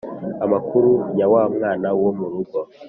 amakuru ya wa mwana wo murugo